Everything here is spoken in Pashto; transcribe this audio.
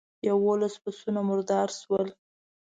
يوولس پسونه مردار شول.